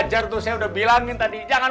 jangan sembarangan saya ini rt